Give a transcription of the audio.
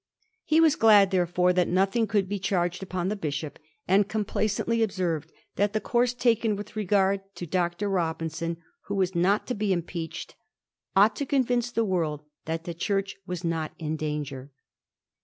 He was glad, therefore, that nothing could be charged upon the Bishop, and complacently observed that the <;ourse taken with regard to Dr. Robinson, who was not to be impeached, * ought to convince the world that the Church was not in danger.'